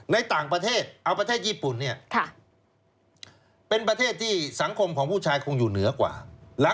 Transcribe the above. ในต่างประเทศเอาประเทศญี่ปุ่นเนี่ยเป็นประเทศที่สังคมของผู้ชายคงอยู่เหนือกว่า